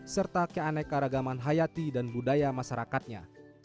serta keaneka ragaman hayati dan budaya masyarakatnya